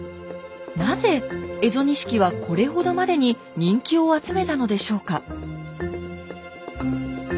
なぜ蝦夷錦はこれほどまでに人気を集めたのでしょうか。